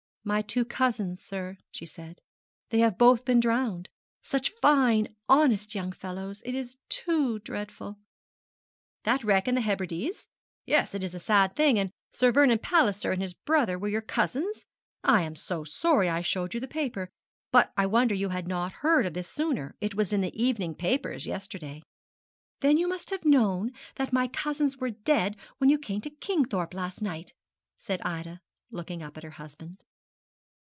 'My two cousins, sir,' she said, 'they have both been drowned. Such fine, honest young fellows. It is too dreadful.' 'That wreck in the Hebrides? Yes, it is a sad thing; and Sir Vernon Palliser and his brother were your cousins?' I am so sorry I showed you the paper. But I wonder you had not heard of this sooner; it was in the evening papers yesterday.' 'Then you must have known that my cousins were dead when you came to Kingthorpe last night?' said Ida, looking up at her husband.